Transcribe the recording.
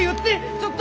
ちょっと！